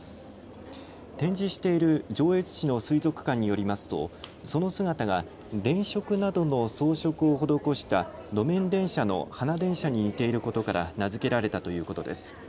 展示している上越市の水族館によりますと、その姿が電飾などの装飾を施した路面電車の花電車に似ていることから名付けられたということです。